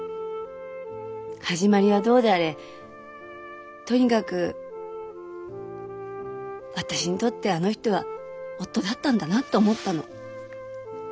始まりはどうであれとにかく私にとってあの人は夫だったんだなって思ったの。